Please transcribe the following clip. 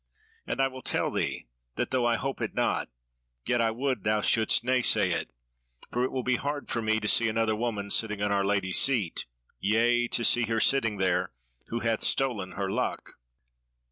And I will tell thee, that though I hope it not, yet I would thou shouldst naysay it; for it will be hard for me to see another woman sitting in our Lady's seat: yea, to see her sitting there, who hath stolen her luck."